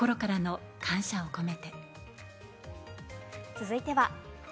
続いては。